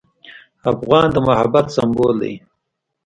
افغان د محبت سمبول دی.